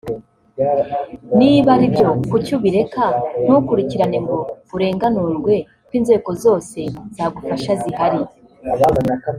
niba aribyo kuki ubireka ntukurikirane ngo urenganurwe ko inzego zose zagufasha zihari